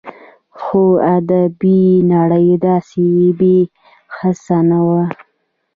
خو ادبي نړۍ داسې بې حسه نه وه